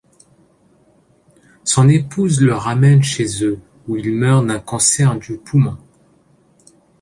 Son épouse le ramène chez eux où il meurt d'un cancer du poumon.